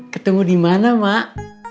ketemu di mana mak